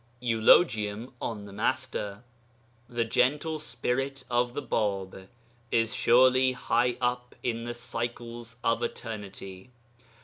EULOGIUM ON THE MASTER The gentle spirit of the Bāb is surely high up in the cycles of eternity.